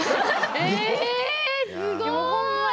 えすごい！